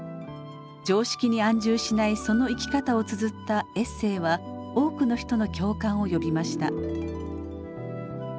常識に安住しないその生き方をつづったエッセーは多くの人の共感を呼びました。